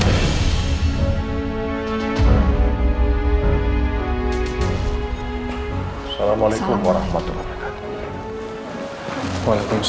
assalamualaikum warahmatullahi wabarakatuh